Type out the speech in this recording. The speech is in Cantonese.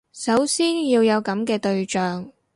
首先要有噉嘅對象